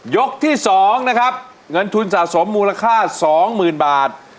ยกที่สองนะครับเงินทุนสะสมมูลค่าสองหมื่นบาท